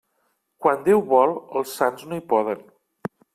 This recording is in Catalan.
Quan Déu vol, els sants no hi poden.